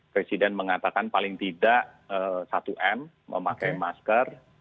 presiden mengatakan paling tidak satu m memakai masker